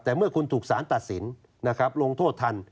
แต่เมื่อคุณถูกสารตัดสินนะครับลงโทษทัน